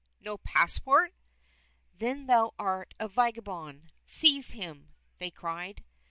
no passport } Then thou art a vagabond. Seize him !" they cried.